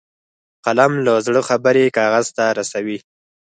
قلم له زړه خبرې کاغذ ته رسوي